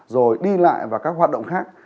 rồi đi lại và các hoạt động khác